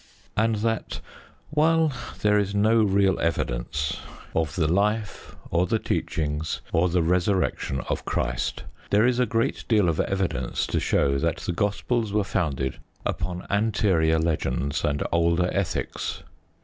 And that, while there is no real evidence of the life or the teachings, or the Resurrection of Christ, there is a great deal of evidence to show that the Gospels were founded upon anterior legends and older ethics.